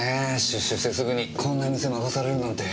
出所してすぐにこんな店任されるなんて。